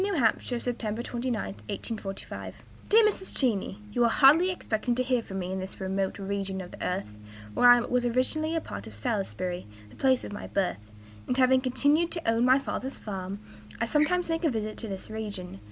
H., September 29, '45. "DEAR MRS. CHENEY, You are hardly expecting to hear from me in this remote region of the earth. Where I am was originally a part of Salisbury, the place of my birth; and, having continued to own my father's farm, I sometimes make a visit to this region.